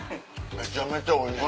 めちゃめちゃおいしい。